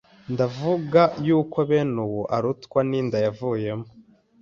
ndavuga yuko bene uwo arutwa n’inda yavuyemo